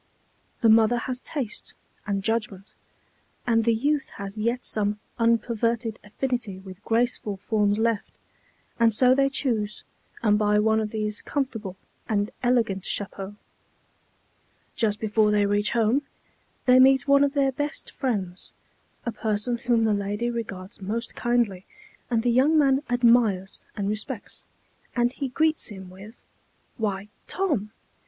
The mother has taste and judgment, and the youth has yet some unperverted affinity with graceful forms left, and so they choose and buy one of these comfortable and elegant chapeaux. Just before they reach home, they meet one of their best friends, a person whom the lady regards most kindly, and the young man admires and respects, and he greets him with, "Why, Tom!